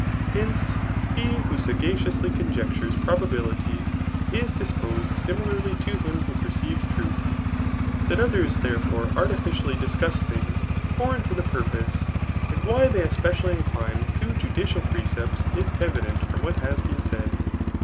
Hence, he who Gagacioualy ccmjectures probabilities^ ia: disposti (Similarly to htm who perceives truth. That ctherai tberefei^ artificially c&cuss things foreign to the pwpose, smd why tbey. especitilly incline to judicial pre cepts^ ia evident [from what has been said].